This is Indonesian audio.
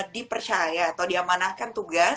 dipercaya atau diamanahkan tugas